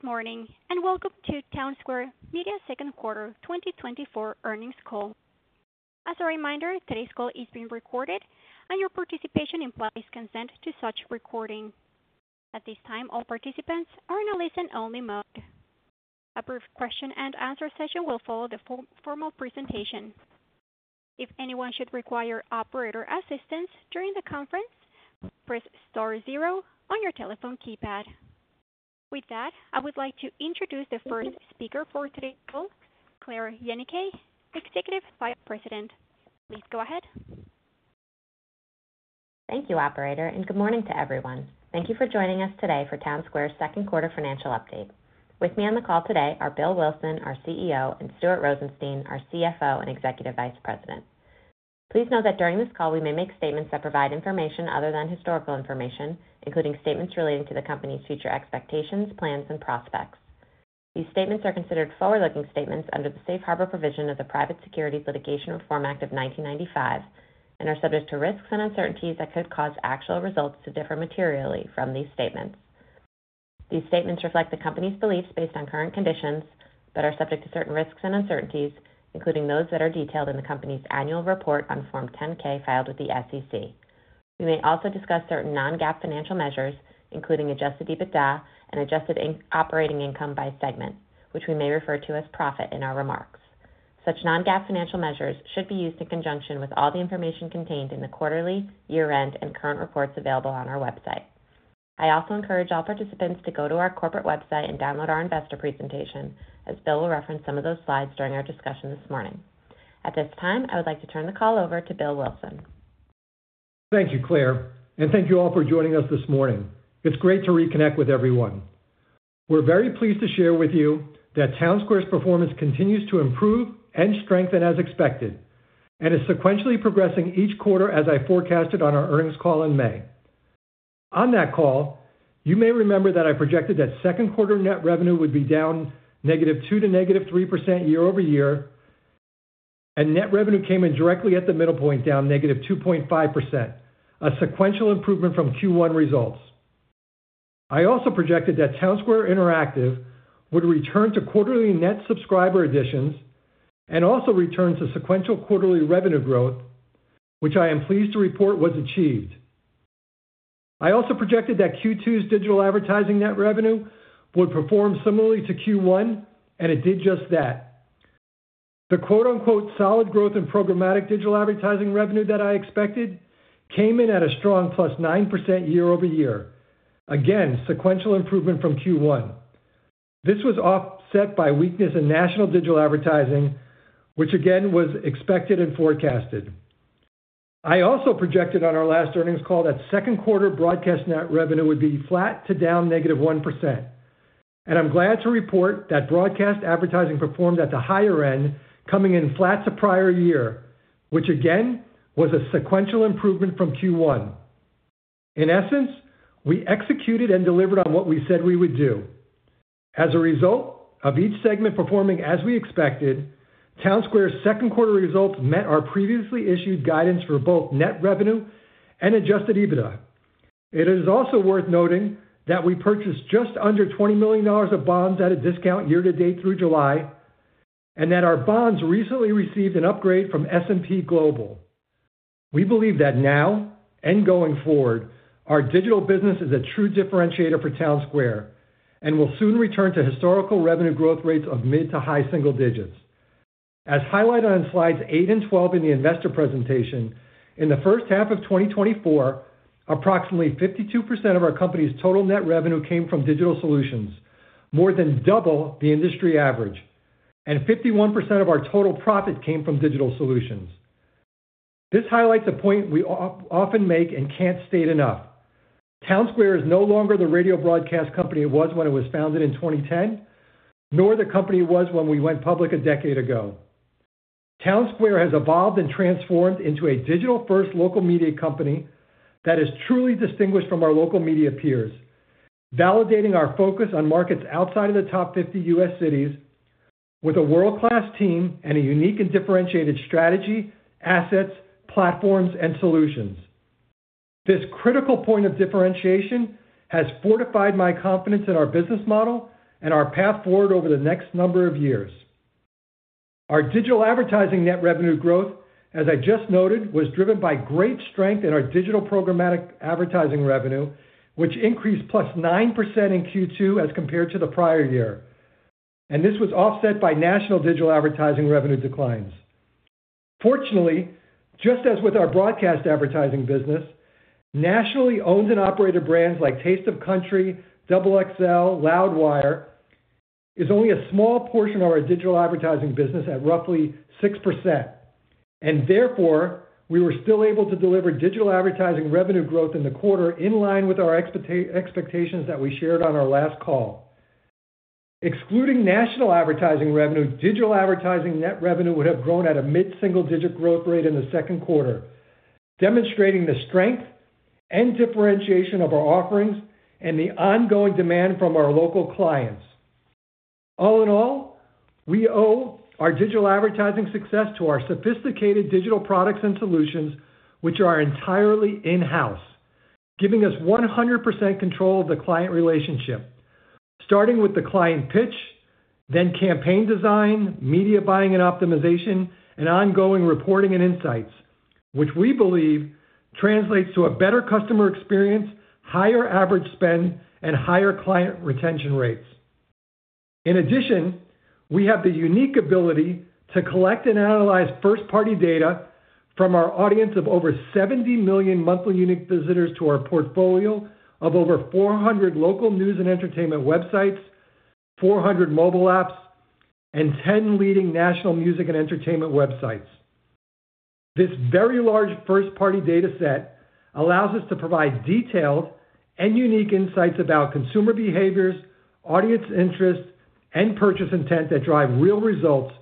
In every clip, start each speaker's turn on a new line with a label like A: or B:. A: Good morning, and welcome to Townsquare Media Second Quarter 2024 earnings call. As a reminder, today's call is being recorded, and your participation implies consent to such recording. At this time, all participants are in a listen-only mode. A brief question-and-answer session will follow the formal presentation. If anyone should require operator assistance during the conference, press star zero on your telephone keypad. With that, I would like to introduce the first speaker for today's call, Claire Yenicay, Executive Vice President. Please go ahead.
B: Thank you, Operator, and good morning to everyone. Thank you for joining us today for Townsquare's Second Quarter financial update. With me on the call today are Bill Wilson, our CEO, and Stuart Rosenstein, our CFO and Executive Vice President. Please note that during this call, we may make statements that provide information other than historical information, including statements relating to the company's future expectations, plans, and prospects. These statements are considered forward-looking statements under the Safe Harbor Provision of the Private Securities Litigation Reform Act of 1995 and are subject to risks and uncertainties that could cause actual results to differ materially from these statements. These statements reflect the company's beliefs based on current conditions but are subject to certain risks and uncertainties, including those that are detailed in the company's annual report on Form 10-K filed with the SEC. We may also discuss certain non-GAAP financial measures, including Adjusted EBITDA and Adjusted Operating Income by segment, which we may refer to as profit in our remarks. Such non-GAAP financial measures should be used in conjunction with all the information contained in the quarterly, year-end, and current reports available on our website. I also encourage all participants to go to our corporate website and download our investor presentation, as Bill will reference some of those slides during our discussion this morning. At this time, I would like to turn the call over to Bill Wilson.
C: Thank you, Claire, and thank you all for joining us this morning. It's great to reconnect with everyone. We're very pleased to share with you that Townsquare's performance continues to improve and strengthen as expected and is sequentially progressing each quarter as I forecasted on our earnings call in May. On that call, you may remember that I projected that second quarter net revenue would be down -2% to -3% year-over-year, and net revenue came in directly at the middle point, down -2.5%, a sequential improvement from Q1 results. I also projected that Townsquare Interactive would return to quarterly net subscriber additions and also return to sequential quarterly revenue growth, which I am pleased to report was achieved. I also projected that Q2's digital advertising net revenue would perform similarly to Q1, and it did just that. The "solid growth in programmatic digital advertising revenue" that I expected came in at a strong +9% year-over-year, again, sequential improvement from Q1. This was offset by weakness in national digital advertising, which again was expected and forecasted. I also projected on our last earnings call that second quarter broadcast net revenue would be flat to -1%, and I'm glad to report that broadcast advertising performed at the higher end, coming in flat to prior year, which again was a sequential improvement from Q1. In essence, we executed and delivered on what we said we would do. As a result of each segment performing as we expected, Townsquare's second quarter results met our previously issued guidance for both net revenue and Adjusted EBITDA. It is also worth noting that we purchased just under $20 million of bonds at a discount year-to-date through July and that our bonds recently received an upgrade from S&P Global. We believe that now and going forward, our digital business is a true differentiator for Townsquare and will soon return to historical revenue growth rates of mid to high single digits. As highlighted on slides eight and 12 in the investor presentation, in the first half of 2024, approximately 52% of our company's total net revenue came from digital solutions, more than double the industry average, and 51% of our total profit came from digital solutions. This highlights a point we often make and can't state enough: Townsquare is no longer the radio broadcast company it was when it was founded in 2010, nor the company it was when we went public a decade ago. Townsquare has evolved and transformed into a digital-first local media company that is truly distinguished from our local media peers, validating our focus on markets outside of the top 50 U.S. cities with a world-class team and a unique and differentiated strategy, assets, platforms, and solutions. This critical point of differentiation has fortified my confidence in our business model and our path forward over the next number of years. Our digital advertising net revenue growth, as I just noted, was driven by great strength in our digital programmatic advertising revenue, which increased +9% in Q2 as compared to the prior year, and this was offset by national digital advertising revenue declines. Fortunately, just as with our broadcast advertising business, nationally owned and operated brands like Taste of Country, XXL, Loudwire is only a small portion of our digital advertising business at roughly 6%, and therefore we were still able to deliver digital advertising revenue growth in the quarter in line with our expectations that we shared on our last call. Excluding national advertising revenue, digital advertising net revenue would have grown at a mid-single-digit growth rate in the second quarter, demonstrating the strength and differentiation of our offerings and the ongoing demand from our local clients. All in all, we owe our digital advertising success to our sophisticated digital products and solutions, which are entirely in-house, giving us 100% control of the client relationship, starting with the client pitch, then campaign design, media buying and optimization, and ongoing reporting and insights, which we believe translates to a better customer experience, higher average spend, and higher client retention rates. In addition, we have the unique ability to collect and analyze first-party data from our audience of over 70 million monthly unique visitors to our portfolio of over 400 local news and entertainment websites, 400 mobile apps, and 10 leading national music and entertainment websites. This very large first-party data set allows us to provide detailed and unique insights about consumer behaviors, audience interest, and purchase intent that drive real results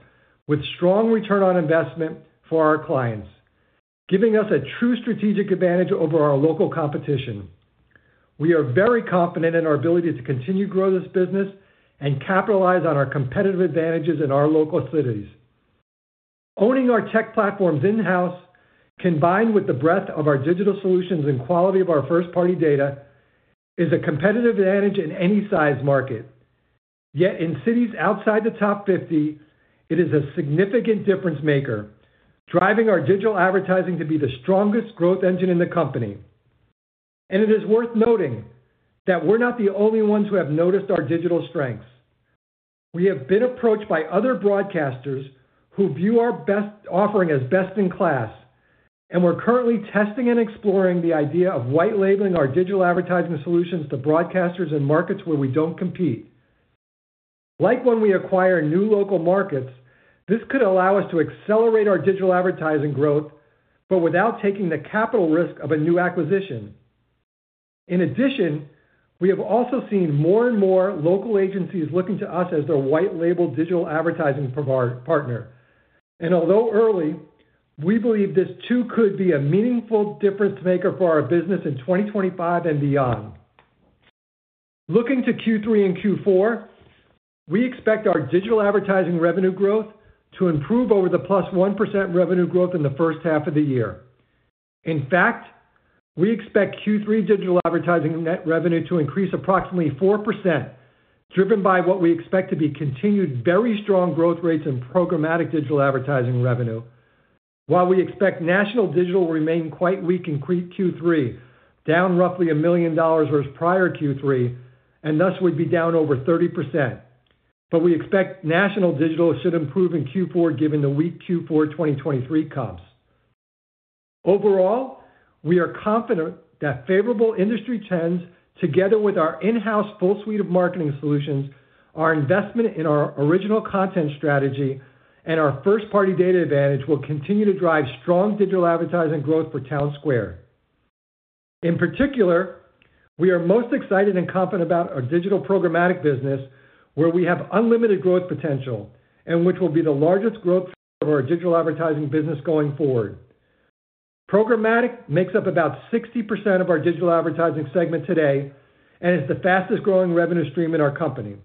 C: with strong return on investment for our clients, giving us a true strategic advantage over our local competition. We are very confident in our ability to continue to grow this business and capitalize on our competitive advantages in our local cities. Owning our tech platforms in-house, combined with the breadth of our digital solutions and quality of our first-party data, is a competitive advantage in any size market. Yet in cities outside the top 50, it is a significant difference maker, driving our digital advertising to be the strongest growth engine in the company. It is worth noting that we're not the only ones who have noticed our digital strengths. We have been approached by other broadcasters who view our best offering as best in class, and we're currently testing and exploring the idea of white-labeling our digital advertising solutions to broadcasters and markets where we don't compete. Like when we acquire new local markets, this could allow us to accelerate our digital advertising growth, but without taking the capital risk of a new acquisition. In addition, we have also seen more and more local agencies looking to us as their white-label digital advertising partner, and although early, we believe this too could be a meaningful difference maker for our business in 2025 and beyond. Looking to Q3 and Q4, we expect our digital advertising revenue growth to improve over the +1% revenue growth in the first half of the year. In fact, we expect Q3 digital advertising net revenue to increase approximately 4%, driven by what we expect to be continued very strong growth rates in programmatic digital advertising revenue, while we expect national digital remaining quite weak in Q3, down roughly $1 million versus prior Q3, and thus would be down over 30%. But we expect national digital should improve in Q4 given the weak Q4 2023 comps. Overall, we are confident that favorable industry trends, together with our in-house full suite of marketing solutions, our investment in our original content strategy, and our first-party data advantage will continue to drive strong digital advertising growth for Townsquare. In particular, we are most excited and confident about our digital programmatic business, where we have unlimited growth potential and which will be the largest growth for our digital advertising business going forward. Programmatic makes up about 60% of our digital advertising segment today and is the fastest growing revenue stream in our company.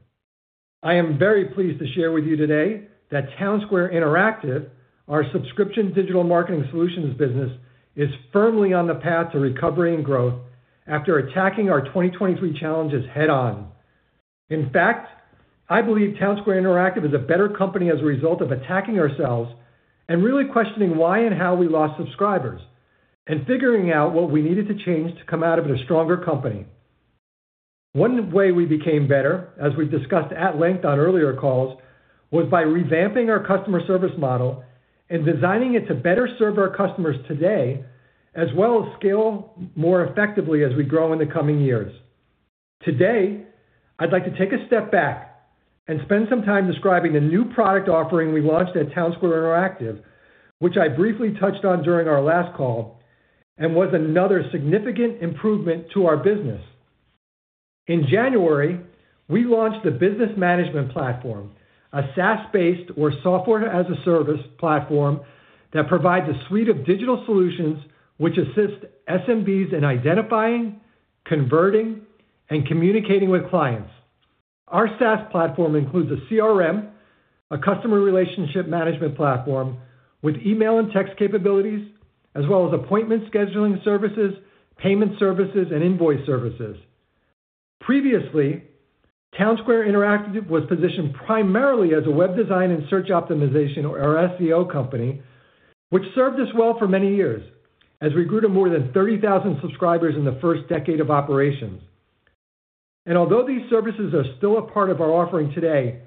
C: I am very pleased to share with you today that Townsquare Interactive, our subscription digital marketing solutions business, is firmly on the path to recovery and growth after attacking our 2023 challenges head-on. In fact, I believe Townsquare Interactive is a better company as a result of attacking ourselves and really questioning why and how we lost subscribers and figuring out what we needed to change to come out of a stronger company. One way we became better, as we discussed at length on earlier calls, was by revamping our customer service model and designing it to better serve our customers today, as well as scale more effectively as we grow in the coming years. Today, I'd like to take a step back and spend some time describing a new product offering we launched at Townsquare Interactive, which I briefly touched on during our last call and was another significant improvement to our business. In January, we launched the Business Management Platform, a SaaS-based or software-as-a-service platform that provides a suite of digital solutions which assist SMBs in identifying, converting, and communicating with clients. Our SaaS platform includes a CRM, a customer relationship management platform with email and text capabilities, as well as appointment scheduling services, payment services, and invoice services. Previously, Townsquare Interactive was positioned primarily as a web design and search optimization or SEO company, which served us well for many years as we grew to more than 30,000 subscribers in the first decade of operations. And although these services are still a part of our offering today,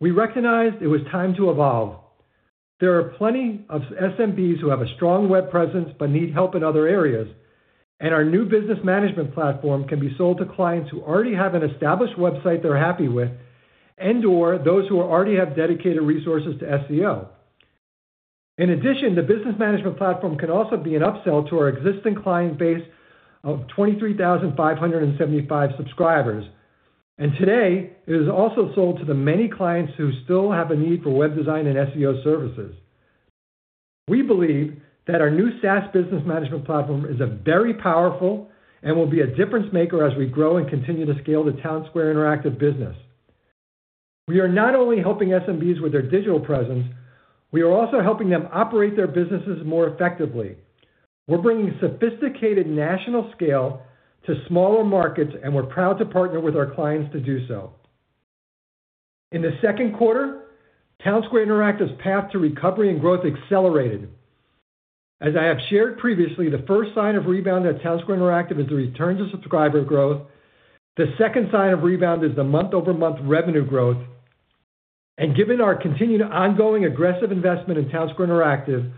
C: we recognized it was time to evolve. There are plenty of SMBs who have a strong web presence but need help in other areas, and our new Business Management Platform can be sold to clients who already have an established website they're happy with and/or those who already have dedicated resources to SEO. In addition, the Business Management Platform can also be an upsell to our existing client base of 23,575 subscribers, and today it is also sold to the many clients who still have a need for web design and SEO services. We believe that our new SaaS Business Management Platform is very powerful and will be a difference maker as we grow and continue to scale the Townsquare Interactive business. We are not only helping SMBs with their digital presence, we are also helping them operate their businesses more effectively. We're bringing sophisticated national scale to smaller markets, and we're proud to partner with our clients to do so. In the second quarter, Townsquare Interactive's path to recovery and growth accelerated. As I have shared previously, the first sign of rebound at Townsquare Interactive is the return to subscriber growth. The second sign of rebound is the month-over-month revenue growth, and given our continued ongoing aggressive investment in Townsquare Interactive,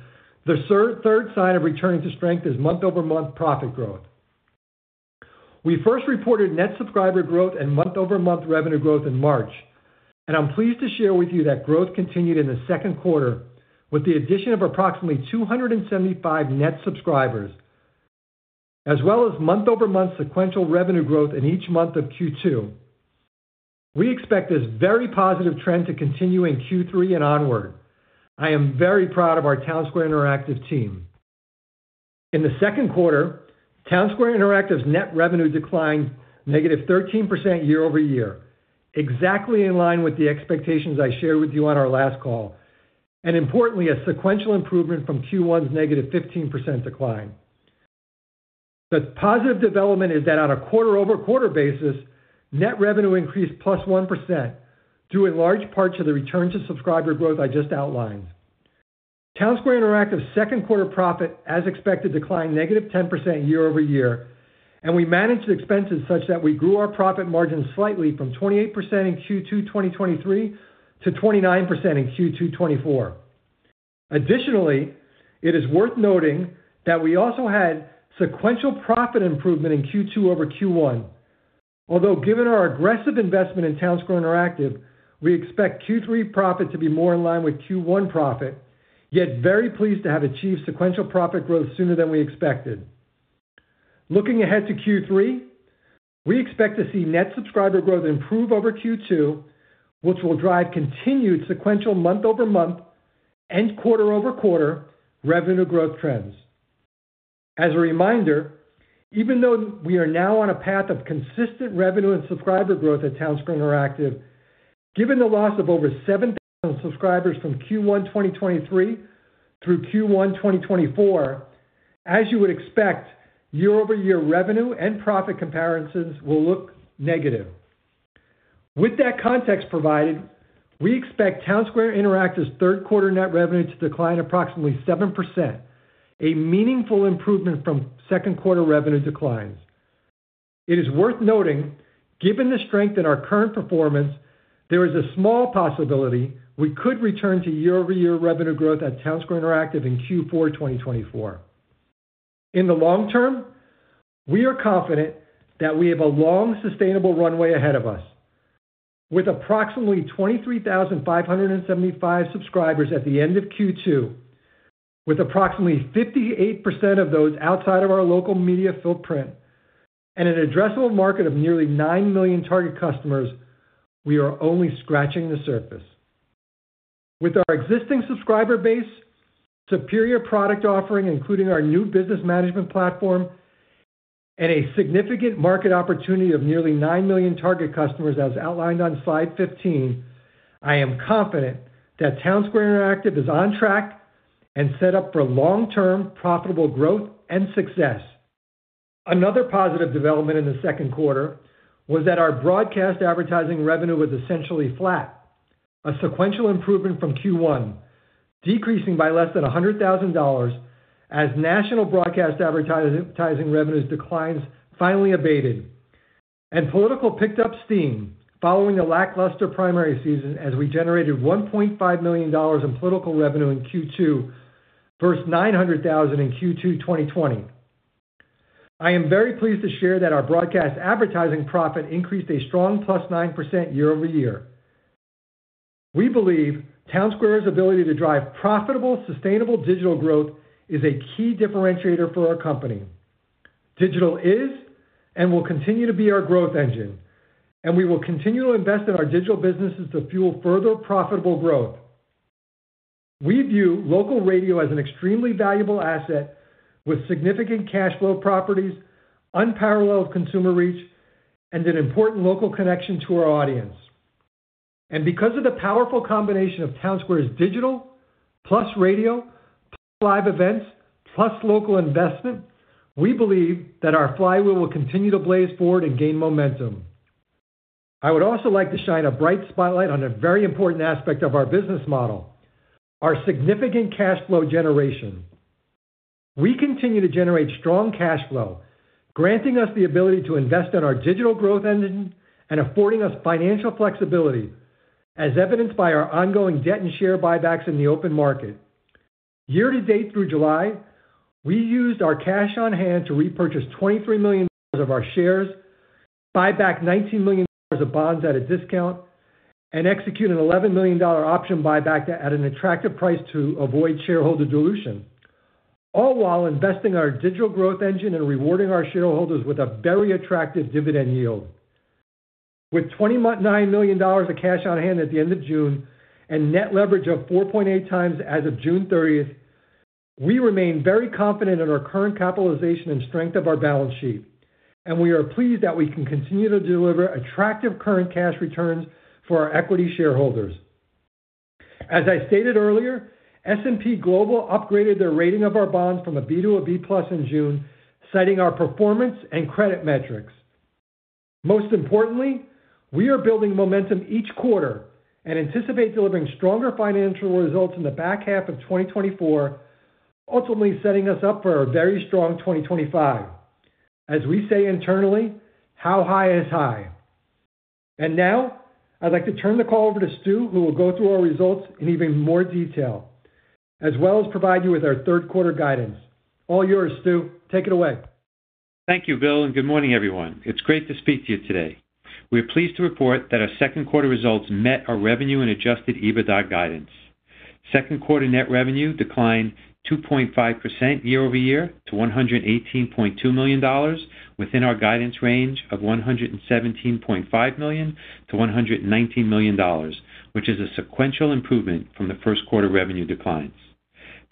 C: the third sign of returning to strength is month-over-month profit growth. We first reported net subscriber growth and month-over-month revenue growth in March, and I'm pleased to share with you that growth continued in the second quarter with the addition of approximately 275 net subscribers, as well as month-over-month sequential revenue growth in each month of Q2. We expect this very positive trend to continue in Q3 and onward. I am very proud of our Townsquare Interactive team. In the second quarter, Townsquare Interactive's net revenue declined -13% year-over-year, exactly in line with the expectations I shared with you on our last call, and importantly, a sequential improvement from Q1's -15% decline. The positive development is that on a quarter-over-quarter basis, net revenue increased +1%, due in large part to the return to subscriber growth I just outlined. Townsquare Interactive's second quarter profit, as expected, declined -10% year-over-year, and we managed expenses such that we grew our profit margin slightly from 28% in Q2 2023 to 29% in Q2 2024. Additionally, it is worth noting that we also had sequential profit improvement in Q2 over Q1, although given our aggressive investment in Townsquare Interactive, we expect Q3 profit to be more in line with Q1 profit, yet very pleased to have achieved sequential profit growth sooner than we expected. Looking ahead to Q3, we expect to see net subscriber growth improve over Q2, which will drive continued sequential month-over-month and quarter-over-quarter revenue growth trends. As a reminder, even though we are now on a path of consistent revenue and subscriber growth at Townsquare Interactive, given the loss of over 7,000 subscribers from Q1 2023 through Q1 2024, as you would expect, year-over-year revenue and profit comparisons will look negative. With that context provided, we expect Townsquare Interactive's third quarter net revenue to decline approximately 7%, a meaningful improvement from second quarter revenue declines. It is worth noting, given the strength in our current performance, there is a small possibility we could return to year-over-year revenue growth at Townsquare Interactive in Q4 2024. In the long term, we are confident that we have a long, sustainable runway ahead of us. With approximately 23,575 subscribers at the end of Q2, with approximately 58% of those outside of our local media footprint and an addressable market of nearly nine million target customers, we are only scratching the surface. With our existing subscriber base, superior product offering, including our new business management platform, and a significant market opportunity of nearly nine million target customers, as outlined on slide 15, I am confident that Townsquare Interactive is on track and set up for long-term profitable growth and success. Another positive development in the second quarter was that our broadcast advertising revenue was essentially flat, a sequential improvement from Q1, decreasing by less than $100,000 as national broadcast advertising revenues' declines finally abated, and political picked up steam following a lackluster primary season as we generated $1.5 million in political revenue in Q2 versus $900,000 in Q2 2020. I am very pleased to share that our broadcast advertising profit increased a strong plus 9% year-over-year. We believe Townsquare's ability to drive profitable, sustainable digital growth is a key differentiator for our company. Digital is and will continue to be our growth engine, and we will continue to invest in our digital businesses to fuel further profitable growth. We view local radio as an extremely valuable asset with significant cash flow properties, unparalleled consumer reach, and an important local connection to our audience. Because of the powerful combination of Townsquare's digital plus radio plus live events plus local investment, we believe that our flywheel will continue to blaze forward and gain momentum. I would also like to shine a bright spotlight on a very important aspect of our business model: our significant cash flow generation. We continue to generate strong cash flow, granting us the ability to invest in our digital growth engine and affording us financial flexibility, as evidenced by our ongoing debt and share buybacks in the open market. Year-to-date through July, we used our cash on hand to repurchase $23 million of our shares, buy back $19 million of bonds at a discount, and execute an $11 million option buyback at an attractive price to avoid shareholder dilution, all while investing in our digital growth engine and rewarding our shareholders with a very attractive dividend yield. With $29 million of cash on hand at the end of June and net leverage of 4.8 times as of June 30, we remain very confident in our current capitalization and strength of our balance sheet, and we are pleased that we can continue to deliver attractive current cash returns for our equity shareholders. As I stated earlier, S&P Global upgraded the rating of our bonds from a B to a B plus in June, citing our performance and credit metrics. Most importantly, we are building momentum each quarter and anticipate delivering stronger financial results in the back half of 2024, ultimately setting us up for a very strong 2025. As we say internally, "How high is high." And now, I'd like to turn the call over to Stu, who will go through our results in even more detail, as well as provide you with our third quarter guidance. All yours, Stu. Take it away.
D: Thank you, Bill, and good morning, everyone. It's great to speak to you today. We're pleased to report that our second quarter results met our revenue and Adjusted EBITDA guidance. Second quarter net revenue declined 2.5% year-over-year to $118.2 million within our guidance range of $117.5 million-$119 million, which is a sequential improvement from the first quarter revenue declines.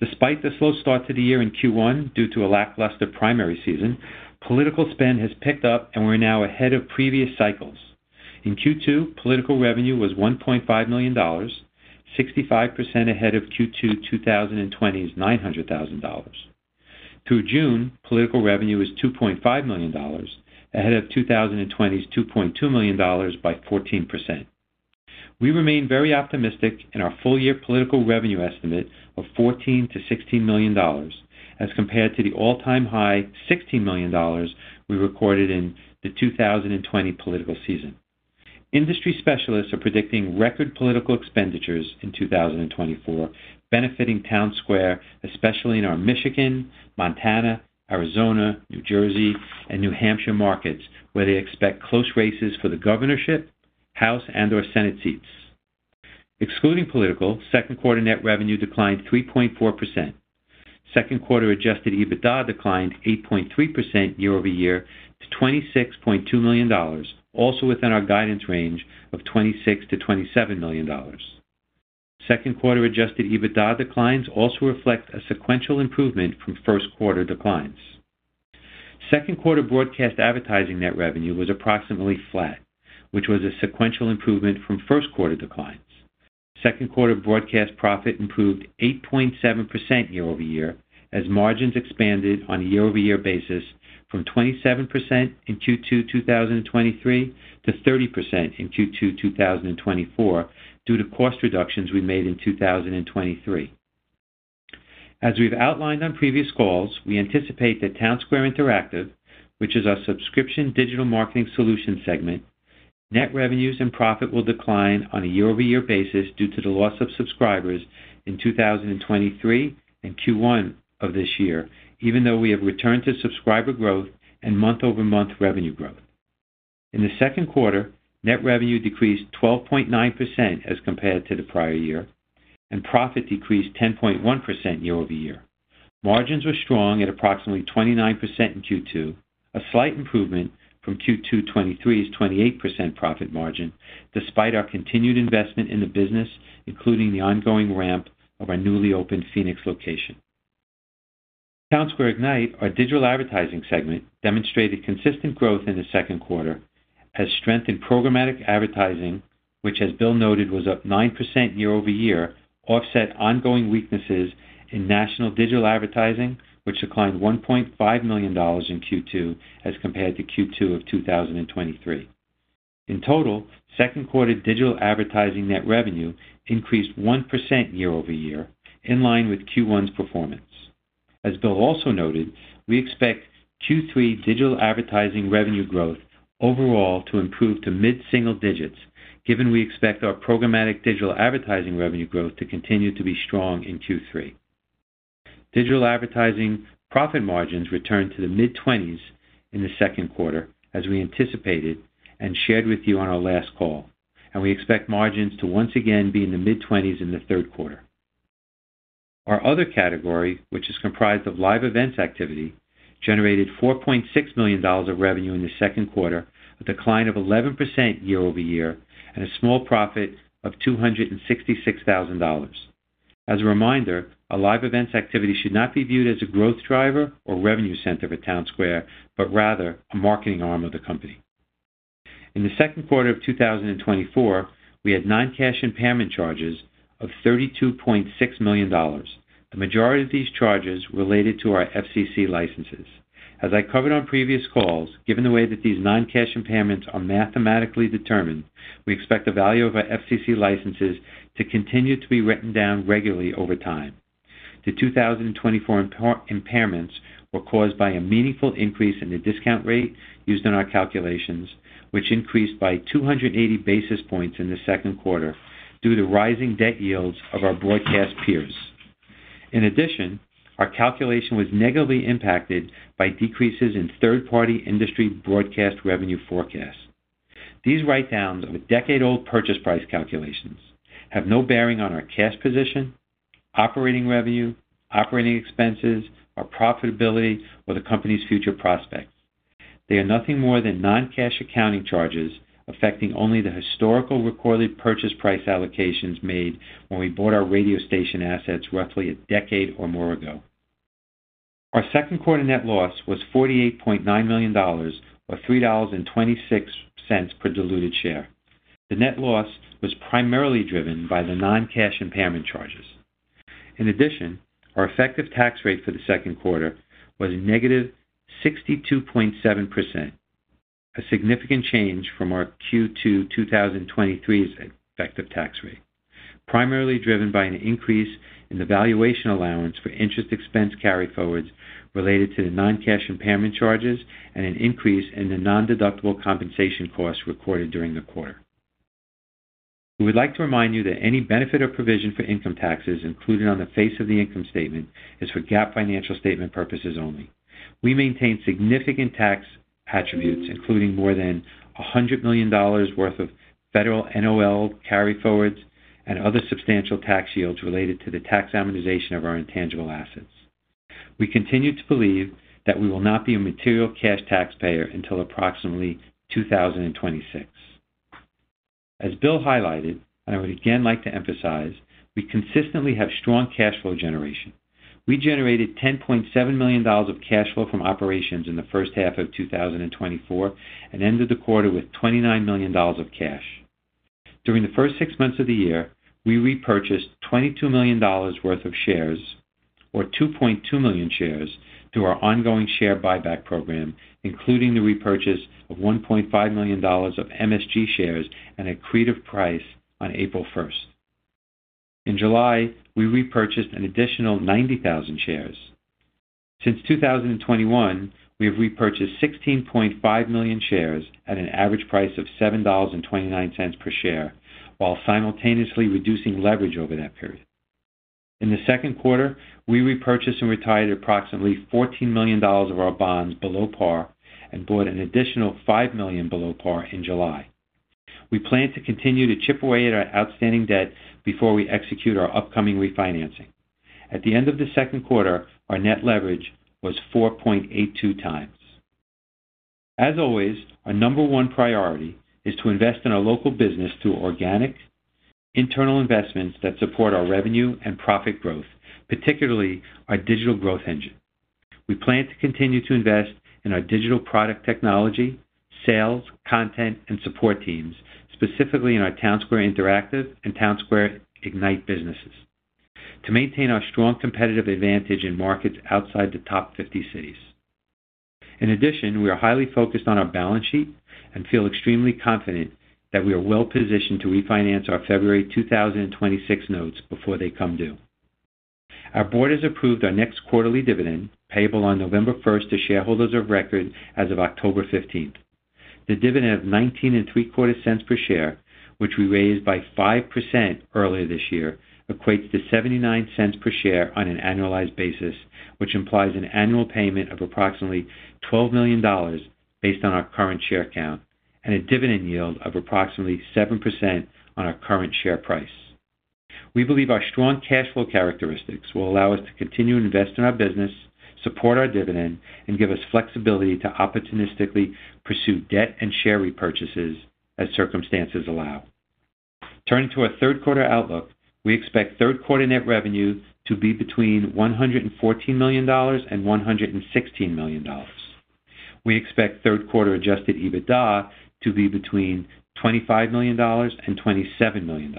D: Despite the slow start to the year in Q1 due to a lackluster primary season, political spend has picked up, and we're now ahead of previous cycles. In Q2, political revenue was $1.5 million, 65% ahead of Q2 2020's $900,000. Through June, political revenue was $2.5 million, ahead of 2020's $2.2 million by 14%. We remain very optimistic in our full-year political revenue estimate of $14-$16 million, as compared to the all-time high $16 million we recorded in the 2020 political season. Industry specialists are predicting record political expenditures in 2024, benefiting Townsquare, especially in our Michigan, Montana, Arizona, New Jersey, and New Hampshire markets, where they expect close races for the governorship, House, and/or Senate seats. Excluding political, second quarter net revenue declined 3.4%. Second quarter Adjusted EBITDA declined 8.3% year-over-year to $26.2 million, also within our guidance range of $26-$27 million. Second quarter Adjusted EBITDA declines also reflect a sequential improvement from first quarter declines. Second quarter broadcast advertising net revenue was approximately flat, which was a sequential improvement from first quarter declines. Second quarter broadcast profit improved 8.7% year-over-year as margins expanded on a year-over-year basis from 27% in Q2 2023 to 30% in Q2 2024 due to cost reductions we made in 2023. As we've outlined on previous calls, we anticipate that Townsquare Interactive, which is our subscription digital marketing solution segment, net revenues and profit will decline on a year-over-year basis due to the loss of subscribers in 2023 and Q1 of this year, even though we have returned to subscriber growth and month-over-month revenue growth. In the second quarter, net revenue decreased 12.9% as compared to the prior year, and profit decreased 10.1% year-over-year. Margins were strong at approximately 29% in Q2, a slight improvement from Q2 2023's 28% profit margin, despite our continued investment in the business, including the ongoing ramp of our newly opened Phoenix location. Townsquare Ignite, our digital advertising segment, demonstrated consistent growth in the second quarter as strength in programmatic advertising, which, as Bill noted, was up 9% year-over-year, offset ongoing weaknesses in national digital advertising, which declined $1.5 million in Q2 as compared to Q2 of 2023. In total, second quarter digital advertising net revenue increased 1% year-over-year, in line with Q1's performance. As Bill also noted, we expect Q3 digital advertising revenue growth overall to improve to mid-single digits, given we expect our programmatic digital advertising revenue growth to continue to be strong in Q3. Digital advertising profit margins returned to the mid-20s in the second quarter, as we anticipated and shared with you on our last call, and we expect margins to once again be in the mid-20s in the third quarter. Our other category, which is comprised of live events activity, generated $4.6 million of revenue in the second quarter, a decline of 11% year-over-year, and a small profit of $266,000. As a reminder, a live events activity should not be viewed as a growth driver or revenue center for Townsquare, but rather a marketing arm of the company. In the second quarter of 2024, we had non-cash impairment charges of $32.6 million. The majority of these charges related to our FCC licenses. As I covered on previous calls, given the way that these non-cash impairments are mathematically determined, we expect the value of our FCC licenses to continue to be written down regularly over time. The 2024 impairments were caused by a meaningful increase in the discount rate used in our calculations, which increased by 280 basis points in the second quarter due to rising debt yields of our broadcast peers. In addition, our calculation was negatively impacted by decreases in third-party industry broadcast revenue forecasts. These write-downs of decade-old purchase price calculations have no bearing on our cash position, operating revenue, operating expenses, our profitability, or the company's future prospect. They are nothing more than non-cash accounting charges affecting only the historical recorded purchase price allocations made when we bought our radio station assets roughly a decade or more ago. Our second quarter net loss was $48.9 million, or $3.26 per diluted share. The net loss was primarily driven by the non-cash impairment charges. In addition, our effective tax rate for the second quarter was negative 62.7%, a significant change from our Q2 2023's effective tax rate, primarily driven by an increase in the valuation allowance for interest expense carry forwards related to the non-cash impairment charges and an increase in the non-deductible compensation costs recorded during the quarter. We would like to remind you that any benefit or provision for income taxes included on the face of the income statement is for GAAP financial statement purposes only. We maintain significant tax attributes, including more than $100 million worth of federal NOL carry forwards and other substantial tax yields related to the tax amortization of our intangible assets. We continue to believe that we will not be a material cash taxpayer until approximately 2026. As Bill highlighted, and I would again like to emphasize, we consistently have strong cash flow generation. We generated $10.7 million of cash flow from operations in the first half of 2024 and ended the quarter with $29 million of cash. During the first six months of the year, we repurchased $22 million worth of shares, or 2.2 million shares, through our ongoing share buyback program, including the repurchase of $1.5 million of MSG shares at a accretive price on April 1st. In July, we repurchased an additional 90,000 shares. Since 2021, we have repurchased 16.5 million shares at an average price of $7.29 per share, while simultaneously reducing leverage over that period. In the second quarter, we repurchased and retired approximately $14 million of our bonds below par and bought an additional $5 million below par in July. We plan to continue to chip away at our outstanding debt before we execute our upcoming refinancing. At the end of the second quarter, our net leverage was 4.82x. As always, our number one priority is to invest in our local business through organic, internal investments that support our revenue and profit growth, particularly our digital growth engine. We plan to continue to invest in our digital product technology, sales, content, and support teams, specifically in our Townsquare Interactive and Townsquare Ignite businesses, to maintain our strong competitive advantage in markets outside the top 50 cities. In addition, we are highly focused on our balance sheet and feel extremely confident that we are well-positioned to refinance our February 2026 notes before they come due. Our board has approved our next quarterly dividend, payable on November 1 to shareholders of record as of October 15. The dividend of $19.03 per share, which we raised by 5% earlier this year, equates to $0.79 per share on an annualized basis, which implies an annual payment of approximately $12 million based on our current share count and a dividend yield of approximately 7% on our current share price. We believe our strong cash flow characteristics will allow us to continue to invest in our business, support our dividend, and give us flexibility to opportunistically pursue debt and share repurchases as circumstances allow. Turning to our third quarter outlook, we expect third quarter net revenue to be between $114 million and $116 million. We expect third quarter Adjusted EBITDA to be between $25 million and $27 million.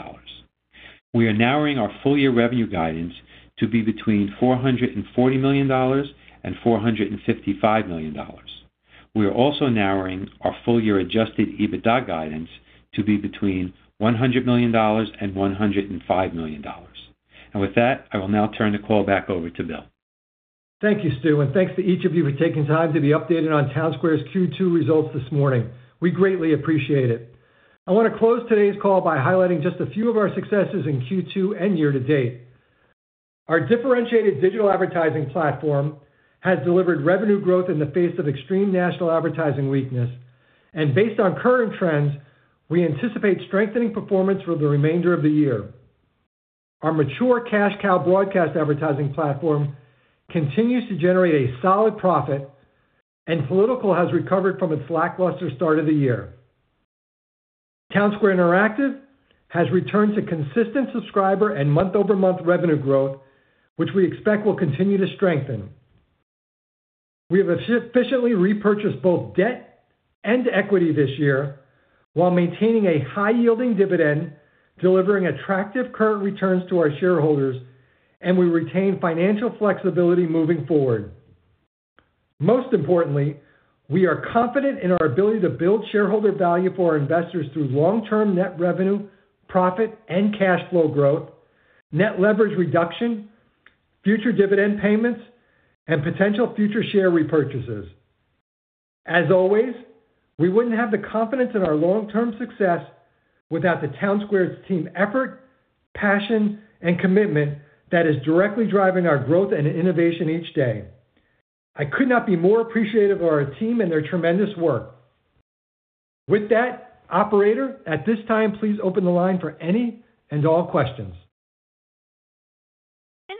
D: We are narrowing our full-year revenue guidance to be between $440 million and $455 million. We are also narrowing our full-year Adjusted EBITDA guidance to be between $100 million and $105 million. With that, I will now turn the call back over to Bill.
C: Thank you, Stu, and thanks to each of you for taking time to be updated on Townsquare's Q2 results this morning. We greatly appreciate it. I want to close today's call by highlighting just a few of our successes in Q2 and year to date. Our differentiated digital advertising platform has delivered revenue growth in the face of extreme national advertising weakness, and based on current trends, we anticipate strengthening performance for the remainder of the year. Our mature Cash Cow broadcast advertising platform continues to generate a solid profit, and Political has recovered from its lackluster start of the year. Townsquare Interactive has returned to consistent subscriber and month-over-month revenue growth, which we expect will continue to strengthen. We have efficiently repurchased both debt and equity this year while maintaining a high-yielding dividend, delivering attractive current returns to our shareholders, and we retain financial flexibility moving forward. Most importantly, we are confident in our ability to build shareholder value for our investors through long-term net revenue, profit, and cash flow growth, net leverage reduction, future dividend payments, and potential future share repurchases. As always, we wouldn't have the confidence in our long-term success without the Townsquare's team effort, passion, and commitment that is directly driving our growth and innovation each day. I could not be more appreciative of our team and their tremendous work. With that, Operator, at this time, please open the line for any and all questions.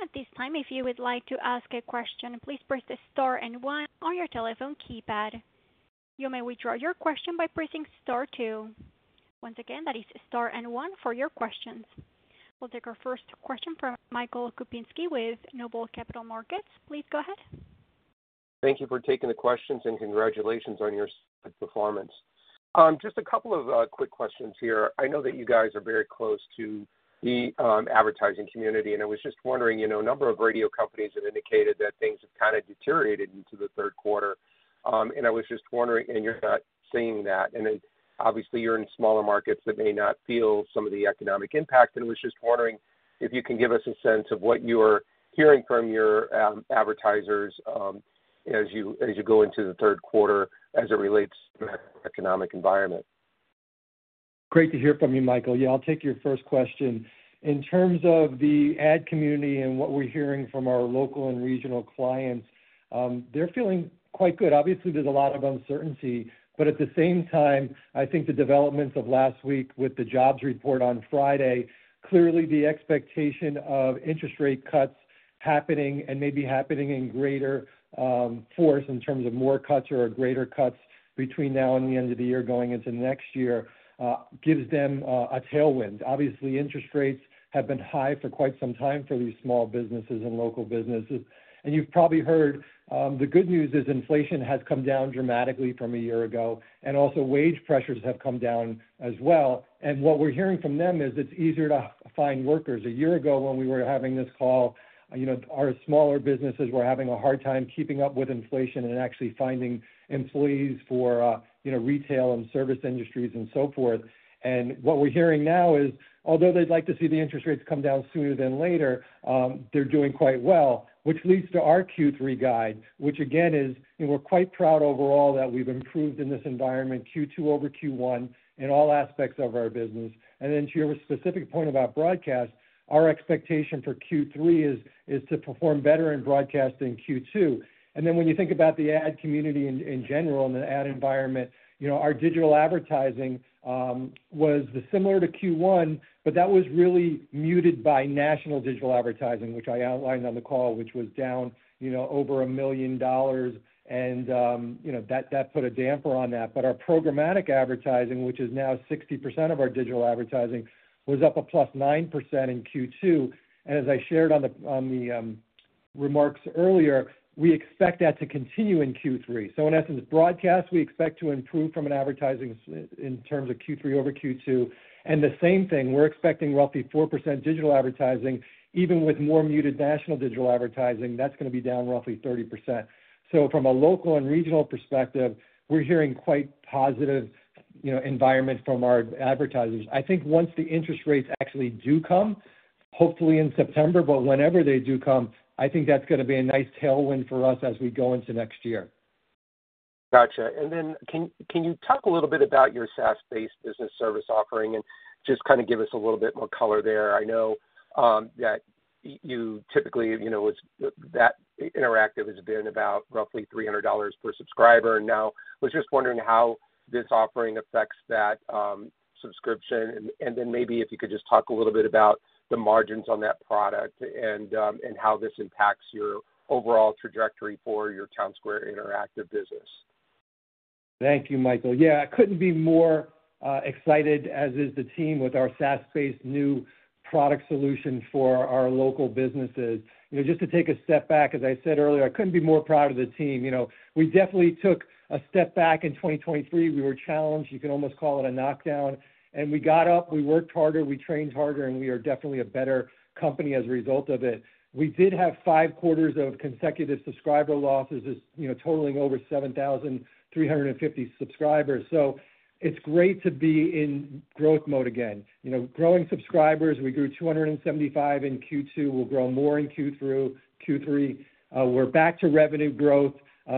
A: At this time, if you would like to ask a question, please press the star and one on your telephone keypad. You may withdraw your question by pressing Star two. Once again, that is Star and one for your questions. We'll take our first question from Michael Kupinski with Noble Capital Markets. Please go ahead.
E: Thank you for taking the questions and congratulations on your performance. Just a couple of quick questions here. I know that you guys are very close to the advertising community, and I was just wondering, you know, a number of radio companies have indicated that things have kind of deteriorated into the third quarter. And I was just wondering, and you're not saying that, and obviously you're in smaller markets that may not feel some of the economic impact. And I was just wondering if you can give us a sense of what you are hearing from your advertisers as you go into the third quarter as it relates to the economic environment.
C: Great to hear from you, Michael. Yeah, I'll take your first question. In terms of the ad community and what we're hearing from our local and regional clients, they're feeling quite good. Obviously, there's a lot of uncertainty, but at the same time, I think the developments of last week with the jobs report on Friday, clearly the expectation of interest rate cuts happening and maybe happening in greater force in terms of more cuts or greater cuts between now and the end of the year going into next year, gives them a tailwind. Obviously, interest rates have been high for quite some time for these small businesses and local businesses. You've probably heard the good news is inflation has come down dramatically from a year ago, and also wage pressures have come down as well. What we're hearing from them is it's easier to find workers. A year ago when we were having this call, you know, our smaller businesses were having a hard time keeping up with inflation and actually finding employees for, you know, retail and service industries and so forth. And what we're hearing now is, although they'd like to see the interest rates come down sooner than later, they're doing quite well, which leads to our Q3 guide, which again is, you know, we're quite proud overall that we've improved in this environment, Q2 over Q1 in all aspects of our business. And then to your specific point about broadcast, our expectation for Q3 is to perform better in broadcast than Q2. And then when you think about the ad community in general and the ad environment, you know, our digital advertising was similar to Q1, but that was really muted by national digital advertising, which I outlined on the call, which was down, you know, over $1 million. And, you know, that put a damper on that. But our programmatic advertising, which is now 60% of our digital advertising, was up +9% in Q2. And as I shared on the remarks earlier, we expect that to continue in Q3. So in essence, broadcast, we expect to improve from an advertising in terms of Q3 over Q2. And the same thing, we're expecting roughly 4% digital advertising. Even with more muted national digital advertising, that's going to be down roughly 30%. So from a local and regional perspective, we're hearing quite positive, you know, environment from our advertisers. I think once the interest rates actually do come, hopefully in September, but whenever they do come, I think that's going to be a nice tailwind for us as we go into next year.
E: Gotcha. And then can you talk a little bit about your SaaS-based business service offering and just kind of give us a little bit more color there? I know that you typically, you know, that Interactive has been about roughly $300 per subscriber. And now I was just wondering how this offering affects that subscription. And then maybe if you could just talk a little bit about the margins on that product and how this impacts your overall trajectory for your Townsquare Interactive business.
C: Thank you, Michael. Yeah, I couldn't be more excited, as is the team, with our SaaS-based new product solution for our local businesses. You know, just to take a step back, as I said earlier, I couldn't be more proud of the team. You know, we definitely took a step back in 2023. We were challenged, you could almost call it a knockdown. And we got up, we worked harder, we trained harder, and we are definitely a better company as a result of it. We did have five quarters of consecutive subscriber losses, you know, totaling over 7,350 subscribers. So it's great to be in growth mode again. You know, growing subscribers, we grew 275 in Q2, we'll grow more in Q3. We're back to revenue growth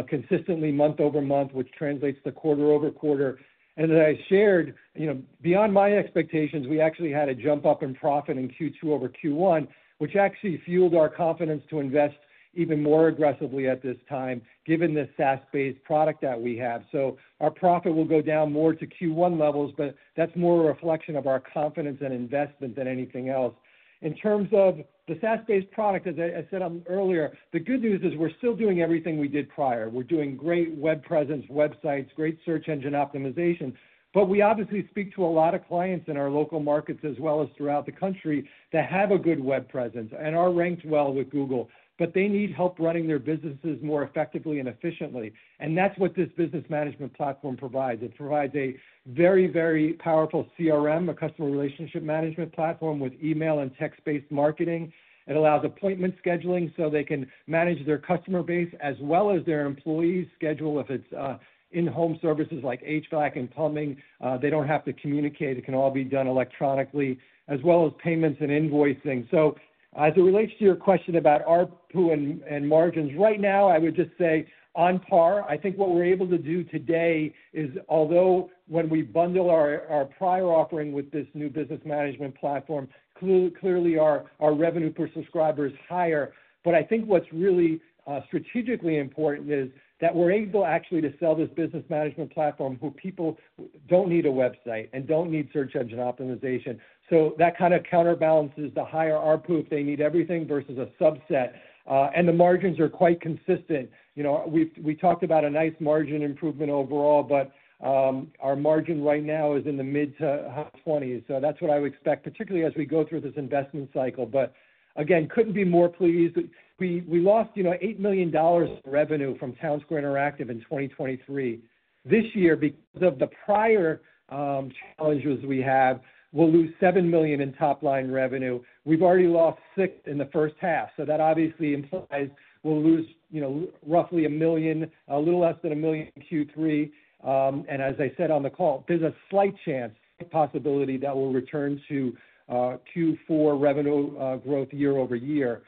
C: consistently month-over-month, which translates to quarter-over-quarter. As I shared, you know, beyond my expectations, we actually had a jump up in profit in Q2 over Q1, which actually fueled our confidence to invest even more aggressively at this time, given the SaaS-based product that we have. So our profit will go down more to Q1 levels, but that's more a reflection of our confidence and investment than anything else. In terms of the SaaS-based product, as I said earlier, the good news is we're still doing everything we did prior. We're doing great web presence, websites, great search engine optimization. But we obviously speak to a lot of clients in our local markets as well as throughout the country that have a good web presence and are ranked well with Google, but they need help running their businesses more effectively and efficiently. And that's what this Business Management Platform provides. It provides a very, very powerful CRM, a customer relationship management platform with email and text-based marketing. It allows appointment scheduling so they can manage their customer base as well as their employees' schedule. If it's in-home services like HVAC and plumbing, they don't have to communicate. It can all be done electronically, as well as payments and invoicing. So as it relates to your question about our PU and margins, right now, I would just say on par. I think what we're able to do today is, although when we bundle our prior offering with this new business management platform, clearly our revenue per subscriber is higher. But I think what's really strategically important is that we're able actually to sell this business management platform for people who don't need a website and don't need search engine optimization. So that kind of counterbalances the higher RPU if they need everything versus a subset. And the margins are quite consistent. You know, we talked about a nice margin improvement overall, but our margin right now is in the mid-to high-20s. So that's what I would expect, particularly as we go through this investment cycle. But again, couldn't be more pleased. We lost, you know, $8 million in revenue from Townsquare Interactive in 2023. This year, because of the prior challenges we have, we'll lose $7 million in top-line revenue. We've already lost $6 million in the first half. So that obviously implies we'll lose, you know, roughly $1 million, a little less than $1 million in Q3. And as I said on the call, there's a slight chance, possibility that we'll return to Q4 revenue growth year-over-year.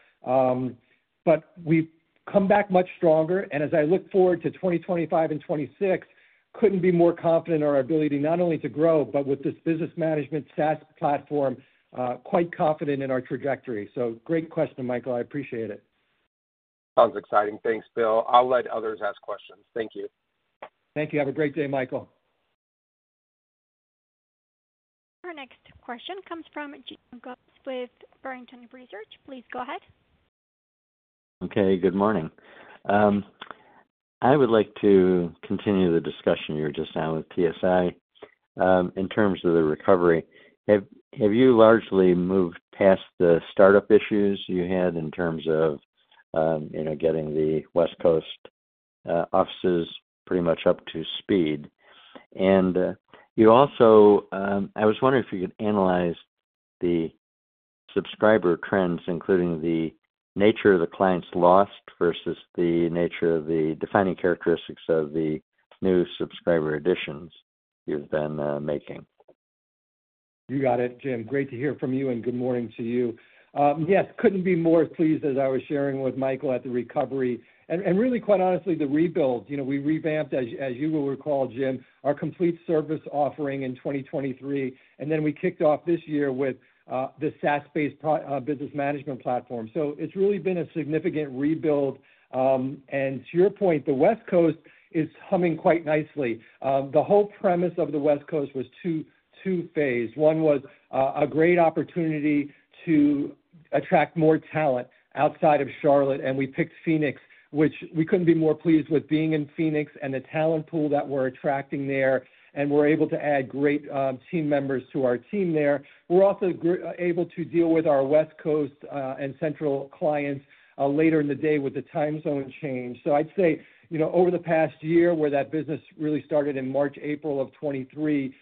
C: But we've come back much stronger. As I look forward to 2025 and 2026, couldn't be more confident in our ability not only to grow, but with this business management SaaS platform, quite confident in our trajectory. So great question, Michael. I appreciate it.
E: Sounds exciting. Thanks, Bill. I'll let others ask questions. Thank you.
C: Thank you. Have a great day, Michael.
A: Our next question comes from Jim Goss with Barrington Research. Please go ahead.
F: Okay, good morning. I would like to continue the discussion you were just having with TSI in terms of the recovery. Have you largely moved past the startup issues you had in terms of, you know, getting the West Coast offices pretty much up to speed? And you also, I was wondering if you could analyze the subscriber trends, including the nature of the clients lost versus the nature of the defining characteristics of the new subscriber additions you've been making.
C: You got it, Jim. Great to hear from you and good morning to you. Yes, couldn't be more pleased as I was sharing with Michael at the recovery. And really, quite honestly, the rebuild, you know, we revamped, as you will recall, Jim, our complete service offering in 2023. And then we kicked off this year with the SaaS-based business management platform. So it's really been a significant rebuild. And to your point, the West Coast is humming quite nicely. The whole premise of the West Coast was two phases. One was a great opportunity to attract more talent outside of Charlotte. We picked Phoenix, which we couldn't be more pleased with being in Phoenix and the talent pool that we're attracting there. And we're able to add great team members to our team there. We're also able to deal with our West Coast and Central clients later in the day with the time zone change. So I'd say, you know, over the past year where that business really started in March, April of 2023,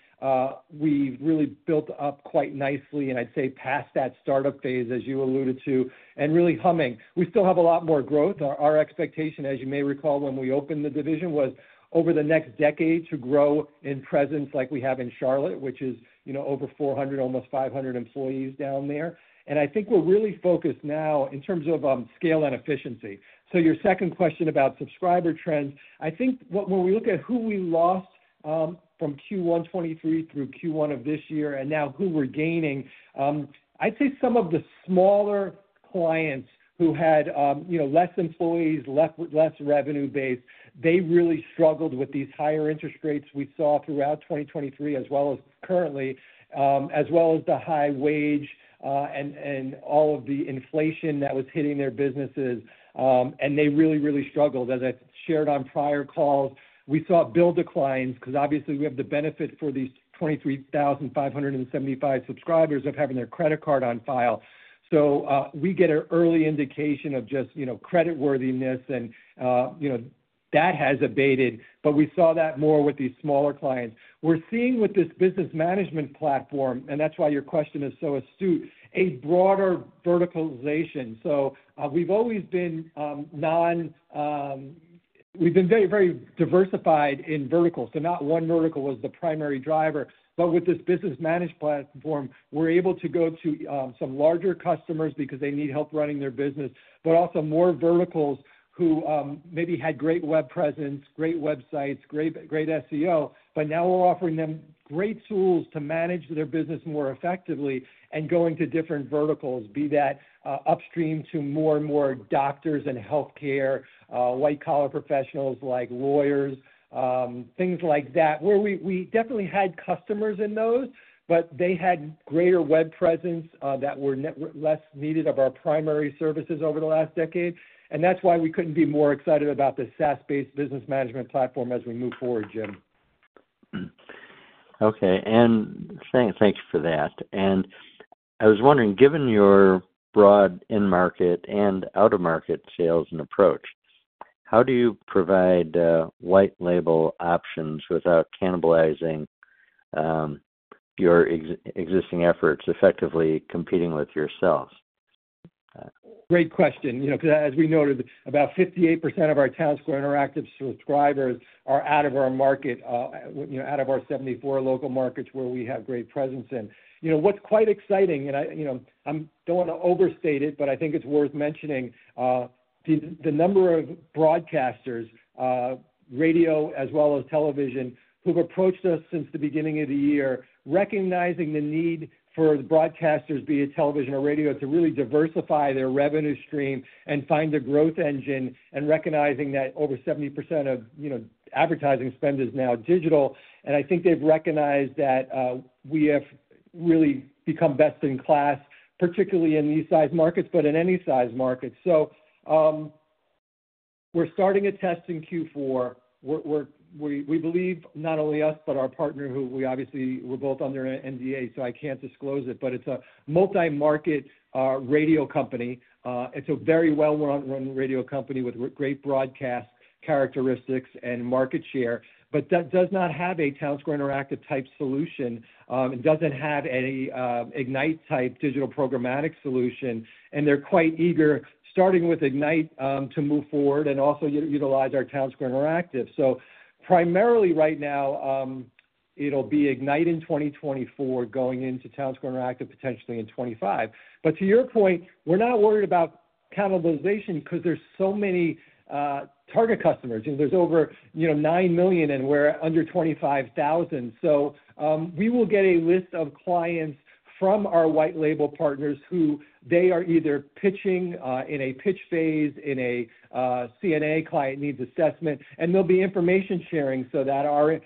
C: we've really built up quite nicely. And I'd say past that startup phase, as you alluded to, and really humming. We still have a lot more growth. Our expectation, as you may recall, when we opened the division was over the next decade to grow in presence like we have in Charlotte, which is, you know, over 400, almost 500 employees down there. And I think we're really focused now in terms of scale and efficiency. So your second question about subscriber trends, I think when we look at who we lost from Q1 2023 through Q1 of this year and now who we're gaining, I'd say some of the smaller clients who had, you know, less employees, less revenue-based, they really struggled with these higher interest rates we saw throughout 2023 as well as currently, as well as the high wage and all of the inflation that was hitting their businesses. And they really, really struggled. As I shared on prior calls, we saw bill declines because obviously we have the benefit for these 23,575 subscribers of having their credit card on file. So we get an early indication of just, you know, creditworthiness and, you know, that has abated. But we saw that more with these smaller clients. We're seeing with this business management platform, and that's why your question is so astute, a broader verticalization. So we've always been very, very diversified in verticals. So not one vertical was the primary driver. But with this business management platform, we're able to go to some larger customers because they need help running their business, but also more verticals who maybe had great web presence, great websites, great SEO, but now we're offering them great tools to manage their business more effectively and going to different verticals, be that upstream to more and more doctors and healthcare, white-collar professionals like lawyers, things like that, where we definitely had customers in those, but they had greater web presence that were less needed of our primary services over the last decade. And that's why we couldn't be more excited about the SaaS-based business management platform as we move forward, Jim.
F: Okay. And thanks for that. And I was wondering, given your broad in-market and out-of-market sales and approach, how do you provide white-label options without cannibalizing your existing efforts, effectively competing with yourself?
C: Great question, you know, because as we noted, about 58% of our Townsquare Interactive subscribers are out of our market, you know, out of our 74 local markets where we have great presence. You know, what's quite exciting, and I, you know, I don't want to overstate it, but I think it's worth mentioning the number of broadcasters, radio as well as television, who've approached us since the beginning of the year, recognizing the need for the broadcasters, be it television or radio, to really diversify their revenue stream and find a growth engine and recognizing that over 70% of, you know, advertising spend is now digital. I think they've recognized that we have really become best in class, particularly in these size markets, but in any size market. We're starting a test in Q4. We believe not only us, but our partner who we obviously were both under NDA, so I can't disclose it, but it's a multi-market radio company. It's a very well-run radio company with great broadcast characteristics and market share, but that does not have a Townsquare Interactive type solution and doesn't have any Ignite type digital programmatic solution. They're quite eager starting with Ignite to move forward and also utilize our Townsquare Interactive. Primarily right now, it'll be Ignite in 2024, going into Townsquare Interactive potentially in 2025. But to your point, we're not worried about cannibalization because there's so many target customers. You know, there's over, you know, 9 million and we're under 25,000. So we will get a list of clients from our white-label partners who they are either pitching in a pitch phase, in a CNA client needs assessment, and there'll be information sharing so that our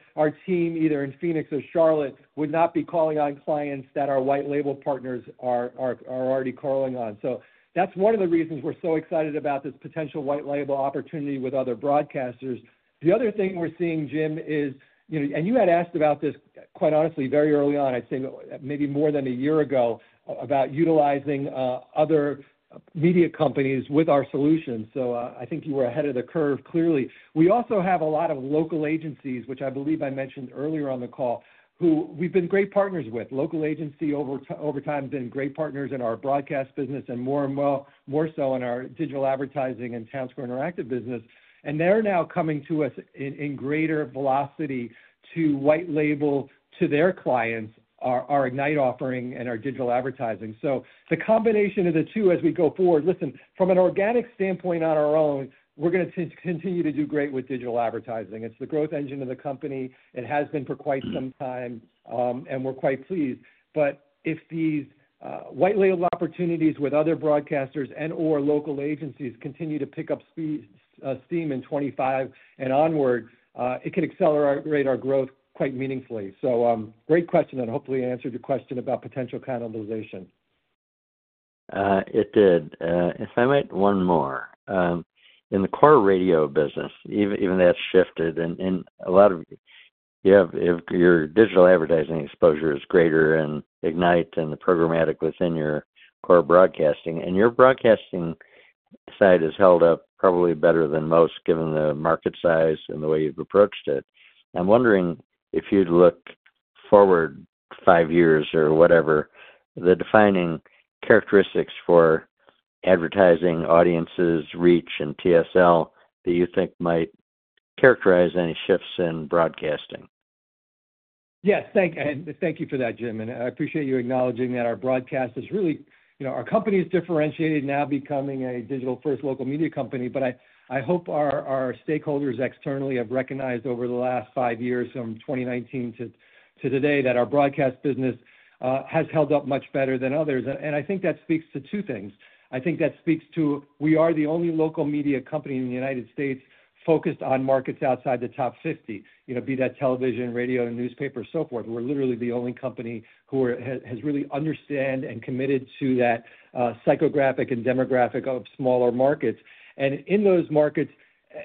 C: team either in Phoenix or Charlotte would not be calling on clients that our white-label partners are already calling on. So that's one of the reasons we're so excited about this potential white-label opportunity with other broadcasters. The other thing we're seeing, Jim, is, you know, and you had asked about this quite honestly very early on, I'd say maybe more than a year ago about utilizing other media companies with our solution. So I think you were ahead of the curve clearly. We also have a lot of local agencies, which I believe I mentioned earlier on the call, who we've been great partners with. Local agency over time has been great partners in our broadcast business and more and more so in our digital advertising and Townsquare Interactive business. And they're now coming to us in greater velocity to white-label to their clients our Ignite offering and our digital advertising. So the combination of the two as we go forward, listen, from an organic standpoint on our own, we're going to continue to do great with digital advertising. It's the growth engine of the company. It has been for quite some time, and we're quite pleased. But if these white-label opportunities with other broadcasters and/or local agencies continue to pick up steam in 2025 and onward, it can accelerate our growth quite meaningfully. So great question, and hopefully answered your question about potential cannibalization.
F: It did. If I might one more. In the core radio business, even though it's shifted and a lot of your digital advertising exposure is greater in Ignite and the programmatic within your core broadcasting, and your broadcasting side is held up probably better than most given the market size and the way you've approached it. I'm wondering if you'd look forward five years or whatever, the defining characteristics for advertising audiences, reach, and TSL that you think might characterize any shifts in broadcasting.
C: Yes, thank you for that, Jim. I appreciate you acknowledging that our broadcast is really, you know, our company is differentiated now becoming a digital-first local media company, but I hope our stakeholders externally have recognized over the last five years from 2019 to today that our broadcast business has held up much better than others. I think that speaks to two things. I think that speaks to we are the only local media company in the United States focused on markets outside the top 50, you know, be that television, radio, and newspaper, so forth. We're literally the only company who has really understood and committed to that psychographic and demographic of smaller markets. In those markets,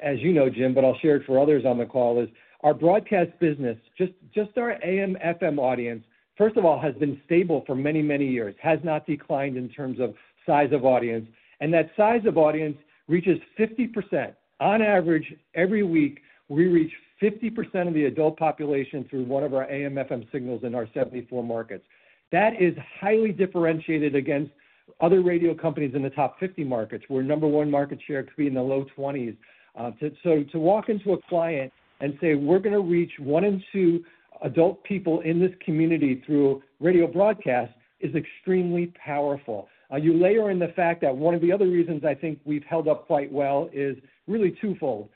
C: as you know, Jim, but I'll share it for others on the call, is our broadcast business, just our AM/FM audience, first of all, has been stable for many, many years, has not declined in terms of size of audience. That size of audience reaches 50%. On average, every week, we reach 50% of the adult population through one of our AM/FM signals in our 74 markets. That is highly differentiated against other radio companies in the top 50 markets, where number one market share could be in the low 20s. So to walk into a client and say, "We're going to reach one in two adult people in this community through radio broadcast," is extremely powerful. You layer in the fact that one of the other reasons I think we've held up quite well is really twofold.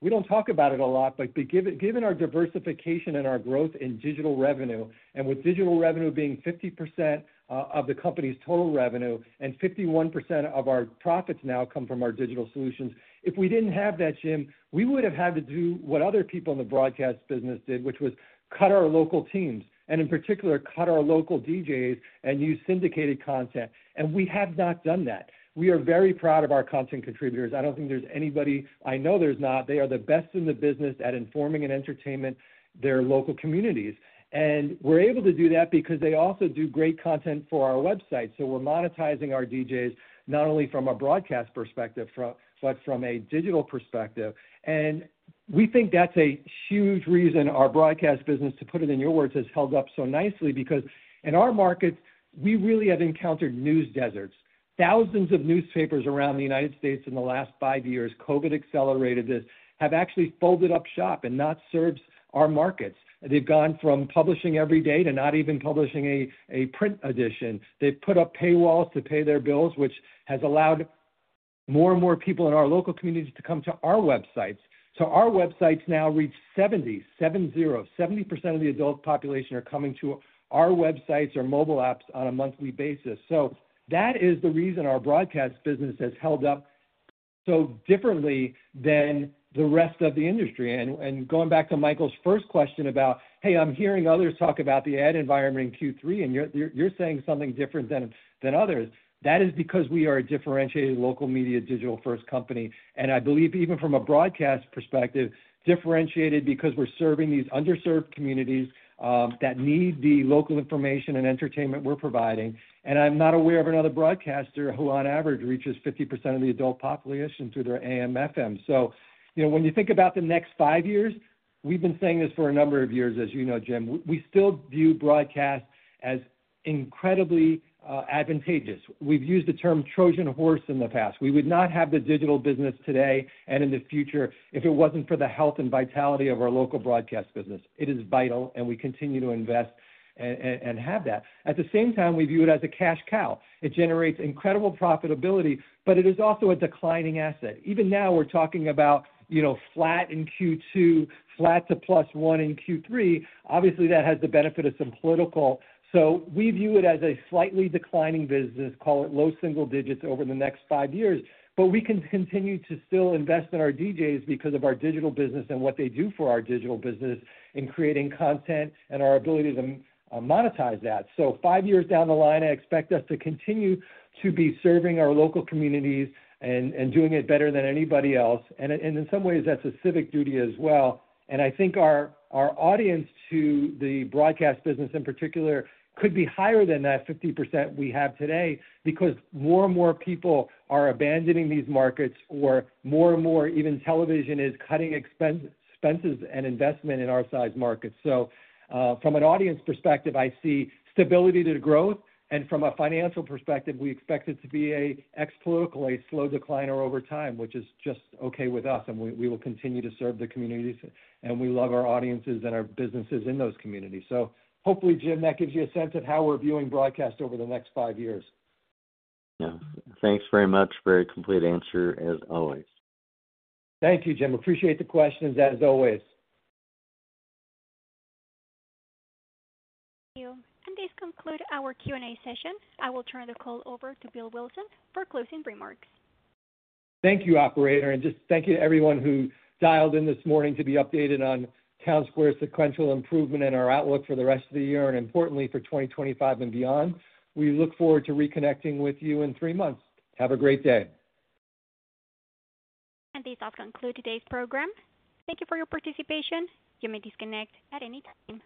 C: We don't talk about it a lot, but given our diversification and our growth in digital revenue, and with digital revenue being 50% of the company's total revenue and 51% of our profits now come from our digital solutions, if we didn't have that, Jim, we would have had to do what other people in the broadcast business did, which was cut our local teams, and in particular, cut our local DJs and use syndicated content. We have not done that. We are very proud of our content contributors. I don't think there's anybody, I know, there's not. They are the best in the business at informing and entertaining their local communities. We're able to do that because they also do great content for our website. We're monetizing our DJs not only from a broadcast perspective, but from a digital perspective. We think that's a huge reason our broadcast business, to put it in your words, has held up so nicely because in our markets, we really have encountered news deserts. Thousands of newspapers around the United States in the last five years, COVID accelerated this, have actually folded up shop and not served our markets. They've gone from publishing every day to not even publishing a print edition. They've put up paywalls to pay their bills, which has allowed more and more people in our local communities to come to our websites. So our websites now reach 70, 70, 70% of the adult population are coming to our websites or mobile apps on a monthly basis. So that is the reason our broadcast business has held up so differently than the rest of the industry. And going back to Michael's first question about, "Hey, I'm hearing others talk about the ad environment in Q3, and you're saying something different than others," that is because we are a differentiated local media digital-first company. And I believe even from a broadcast perspective, differentiated because we're serving these underserved communities that need the local information and entertainment we're providing. And I'm not aware of another broadcaster who on average reaches 50% of the adult population through their AM/FM. So, you know, when you think about the next five years, we've been saying this for a number of years, as you know, Jim, we still view broadcast as incredibly advantageous. We've used the term Trojan horse in the past. We would not have the digital business today and in the future if it wasn't for the health and vitality of our local broadcast business. It is vital, and we continue to invest and have that. At the same time, we view it as a cash cow. It generates incredible profitability, but it is also a declining asset. Even now we're talking about, you know, flat in Q2, flat to +1 in Q3. Obviously, that has the benefit of some political. So we view it as a slightly declining business, call it low single digits over the next five years, but we can continue to still invest in our DJs because of our digital business and what they do for our digital business in creating content and our ability to monetize that. So five years down the line, I expect us to continue to be serving our local communities and doing it better than anybody else. And in some ways, that's a civic duty as well. I think our audience to the broadcast business in particular could be higher than that 50% we have today because more and more people are abandoning these markets or more and more even television is cutting expenses and investment in our size markets. So from an audience perspective, I see stability to growth. And from a financial perspective, we expect it to be an ex-political slow decline over time, which is just okay with us. And we will continue to serve the communities, and we love our audiences and our businesses in those communities. So hopefully, Jim, that gives you a sense of how we're viewing broadcast over the next five years.
F: Yeah. Thanks very much for a complete answer as always.
C: Thank you, Jim. Appreciate the questions as always.
A: Thank you. And this concludes our Q&A session. I will turn the call over to Bill Wilson for closing remarks.
C: Thank you, operator. And just thank you to everyone who dialed in this morning to be updated on Townsquare's sequential improvement and our outlook for the rest of the year and importantly for 2025 and beyond. We look forward to reconnecting with you in three months. Have a great day.
A: And this does conclude today's program. Thank you for your participation. You may disconnect at any time.